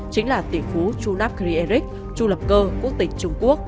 chính là tỷ phú chu napkri eric chu lập cơ quốc tịch trung quốc